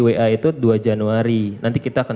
wa itu dua januari nanti kita akan